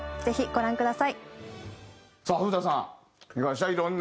ぜひご覧ください。